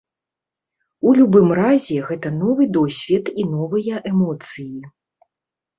У любым разе, гэта новы досвед і новыя эмоцыі.